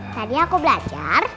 tadi aku belajar